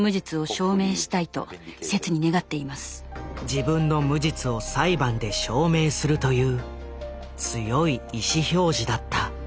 自分の無実を裁判で証明するという強い意志表示だった。